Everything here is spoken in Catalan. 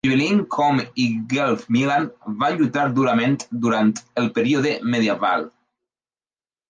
Ghibelline Com i Guelph Milan van lluitar durament durant el període medieval.